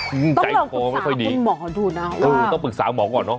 ต้องลองปรึกษาของคุณหมอดูนะว่าต้องปรึกษาของหมอก่อนเนอะ